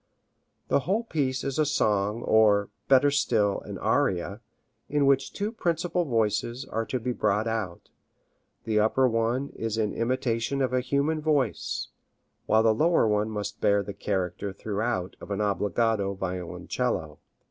The whole piece is a song, or, better still, an aria, in which two principal voices are to be brought out; the upper one is in imitation of a human voice, while the lower one must bear the character throughout of an obligato violoncello.